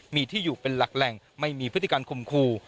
มีที่อยู่เป็นหลักแหล่งไม่มีพฤติการคมคู่